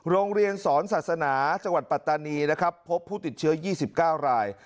โรงเรียนสอนศาสนาจังหวัดปัตตานีนะครับพบผู้ติดเชื้อ๒๙ราย